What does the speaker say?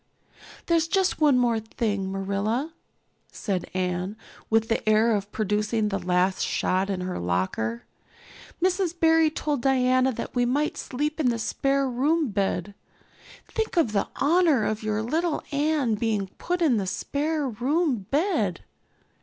"There's just one more thing, Marilla," said Anne, with the air of producing the last shot in her locker. "Mrs. Barry told Diana that we might sleep in the spare room bed. Think of the honor of your little Anne being put in the spare room bed."